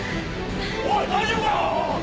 おい大丈夫か！？